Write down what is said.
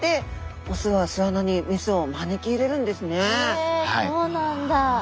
へえそうなんだ。